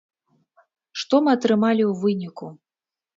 Што мы атрымалі ў выніку?